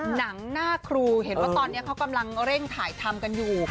หนังหน้าครูเห็นว่าตอนนี้เขากำลังเร่งถ่ายทำกันอยู่